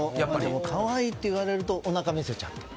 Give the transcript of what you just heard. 可愛いって言われるとおなかを見せちゃう。